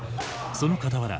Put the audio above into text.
そのかたわら